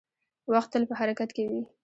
• وخت تل په حرکت کې وي.